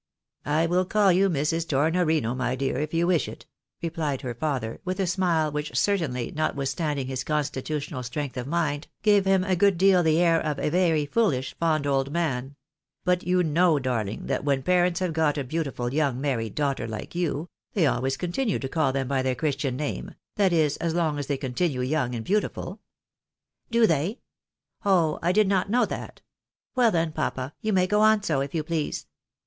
" I will call you i\Irs. Tornorino, my dear, if you wish it," re pUed her father, with a smile which certainly, notwithstanding his constitutional strength of mind, gave him a good deal the air of ' a very foolish, fond old man ;'" but you know, darhng, that when parents have got a beautiful young married daughter, hke you, they always continue to call them by their Christian name — that is, as long as they continue young and beautiful." " Do they ? Oh ! I did not know that. Well, then, papa, you may go on so, if you please.